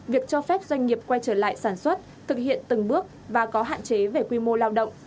việc cho phép doanh nghiệp quay trở lại sản xuất thực hiện từng bước và có hạn chế về quy mô lao động